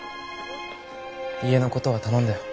家のことは頼んだよ。